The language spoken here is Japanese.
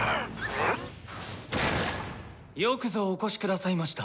よくぞお越し下さいました！